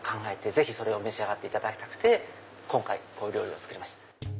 ぜひ召し上がっていただきたくて今回この料理を作りました。